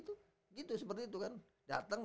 itu gitu seperti itu kan dateng